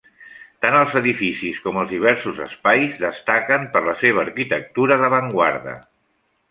Tant els edificis com els diversos espais destaquen per la seva arquitectura d'avantguarda.